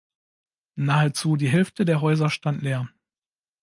Nahezu die Hälfte der Häuser stand leer.